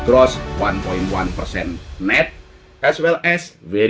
serta keuntungan yang sangat besar